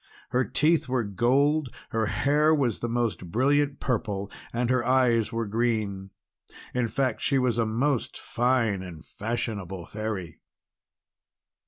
Her teeth were gold, her hair was of the most brilliant purple, and her eyes were green. In fact she was a most fine and fashionable Fairy.